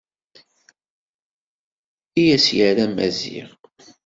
I as-yerra Maziɣ.